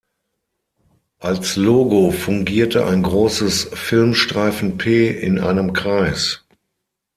Als Logo fungierte ein großes Filmstreifen-P in einem Kreis.